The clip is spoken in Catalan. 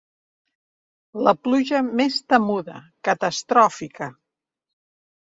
La pluja més temuda, catastròfica.